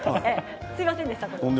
すみませんでした。